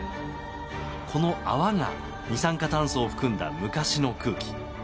この泡が二酸化炭素を含んだ昔の空気。